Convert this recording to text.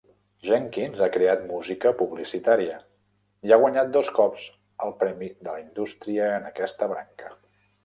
Jenkins ha creat música publicitària, i ha guanyat dos cops el premi de la indústria en aquesta branca.